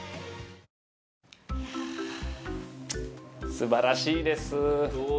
素晴らしいです。